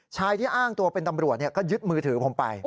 ชายที่อ้างตัวเป็นตำรวจก็ยึดมือถือผมไป